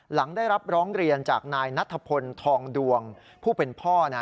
หลังได้รับร้องเรียนจากนายนัทพลทองดวงผู้เป็นพ่อ